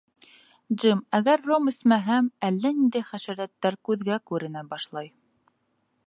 Джим, әгәр ром эсмәһәм, әллә ниндәй хәшәрәттәр күҙгә күренә башлай.